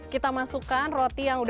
kita masukkan roti yang